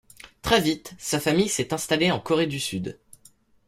Très vite, sa famille s'est installée en Corée du Sud.